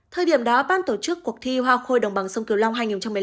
thời điểm đó ban tổ chức cuộc thi hoa khôi đồng bằng sông kiều long hai nghìn một mươi năm